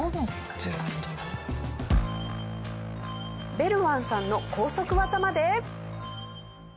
ベルワンさんの高速技まで。